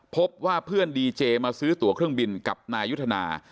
พบว่าเพื่อนดีเจมาซื้อตัวเครื่องบินกับนายุทธนา